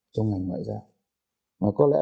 chúng ta phải